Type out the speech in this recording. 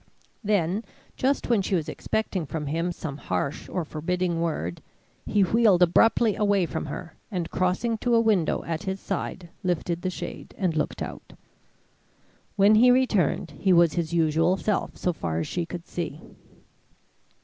Then, just when she was expecting from him some harsh or forbidding word, he wheeled abruptly away from her and crossing to a window at his side, lifted the shade and looked out. When he returned, he was his usual self so far as she could see.